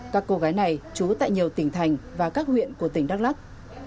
các cô gái này trú tại nhiều tỉnh thành và các huyện của tỉnh đắk lắc